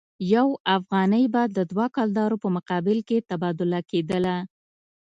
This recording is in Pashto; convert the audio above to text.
یو افغانۍ به د دوه کلدارو په مقابل کې تبادله کېدله.